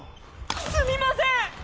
すみません。